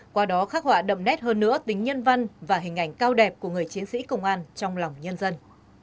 qua đó khắc họa đậm nét hơn nữa tính nhân văn và hình ảnh cao đẹp của người chiến sĩ công an trong lòng nhân dân